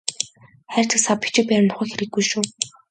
Хайрцаг сав бичиг баримт ухах хэрэггүй шүү.